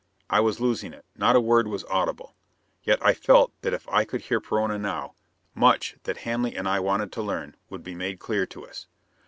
I was losing it: not a word was audible. Yet I felt that if I could hear Perona now, much that Hanley and I wanted to learn would be made clear to us.